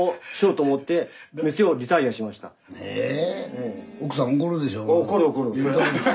ええ？